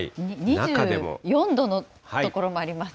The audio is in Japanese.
２４度の所もありますか。